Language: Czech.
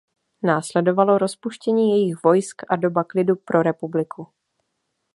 Následovalo rozpuštění jejich vojsk a doba klidu pro republiku.